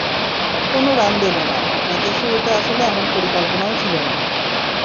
কোনো রান দেব না, ম্যাচের শুরুতে আসলে এমন পরিকল্পনাও ছিল না।